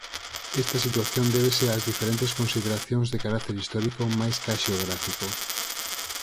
Esta situación débese ás diferentes consideracións de carácter histórico máis ca xeográfico.